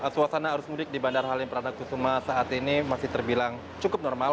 suasana arus mudik di bandara halim perdana kusuma saat ini masih terbilang cukup normal